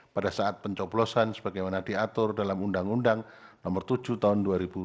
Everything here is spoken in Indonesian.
pada saat pencoplosan sebagaimana diatur dalam undang undang no tujuh tahun dua ribu tujuh belas